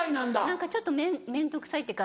何かちょっと面倒くさいっていうか。